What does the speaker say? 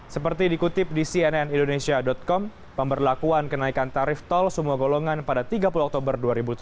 seperti dikutip di cnnindonesia com pemberlakuan kenaikan tarif tol semua golongan pada tiga puluh oktober dua ribu tujuh belas